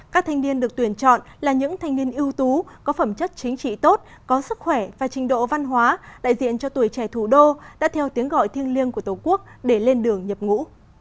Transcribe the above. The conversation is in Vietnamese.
các thanh niên được tuyển chọn là những thanh niên ưu tú có phẩm chất chính trị tốt có sức khỏe và trình độ văn hóa đại diện cho tuổi trẻ thủ đô đã theo tiếng gọi thiêng liêng của tổ quốc để lên đường nhập ngũ